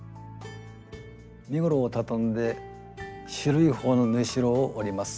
身ごろを畳んで広い方の縫いしろを折ります。